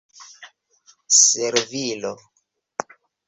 servilo